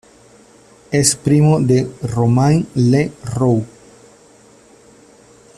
Es primo de Romain Le Roux.